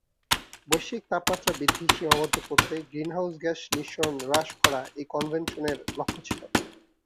বৈশ্বিক তাপমাত্রা বৃদ্ধি সীমাবদ্ধ করতে গ্রিনহাউস গ্যাস নিঃসরণ হ্রাস করা এই কনভেনশনের লক্ষ্য ছিল।